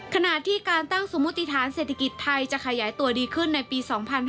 ขณะที่การตั้งสมมุติฐานเศรษฐกิจไทยจะขยายตัวดีขึ้นในปี๒๕๕๙